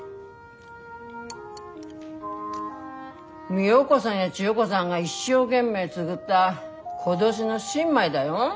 みよ子さんや千代子さんが一生懸命作った今年の新米だよ。